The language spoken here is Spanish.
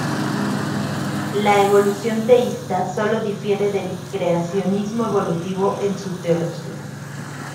La evolución teísta sólo difiere del creacionismo evolutivo en su teología.